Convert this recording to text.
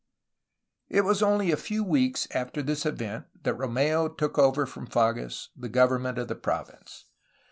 It was only a few weeks after this event that Romeu took over from Fages the government of the province.